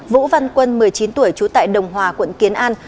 vũ văn quân một mươi chín tuổi trú tại đồng hòa quận kiến an